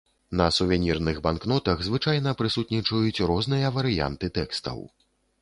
На сувенірных банкнотах звычайна прысутнічаюць розныя варыянты тэкстаў.